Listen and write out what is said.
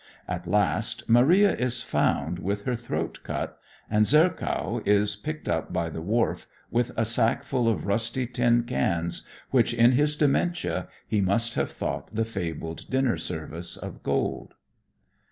At last "Maria" is found with her throat cut, and "Zercow" is picked up by the wharf with a sack full of rusty tin cans, which in his dementia he must have thought the fabled dinner service of gold.